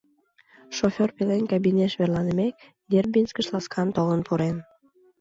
Шофёр пелен кабинеш верланымек, Дербинскыш ласкан толын пурен.